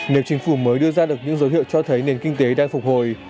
nếu chính phủ mới đưa ra được những dấu hiệu cho thấy nền kinh tế đang phục hồi